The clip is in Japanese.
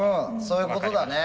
そういうことだね。